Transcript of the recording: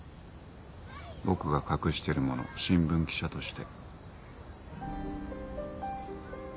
僕が隠しているものを新聞記者として。